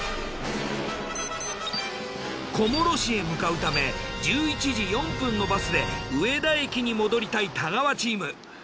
小諸市へ向かうため１１時４分のバスで上田駅に戻りたい太川チーム。